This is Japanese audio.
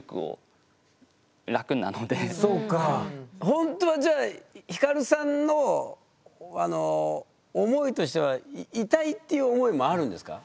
ほんとはじゃあヒカルさんの思いとしては「いたい」っていう思いもあるんですか？